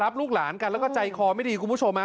ลูกหลานกันแล้วก็ใจคอไม่ดีคุณผู้ชมฮะ